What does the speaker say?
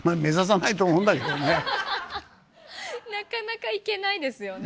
なかなか行けないですよね。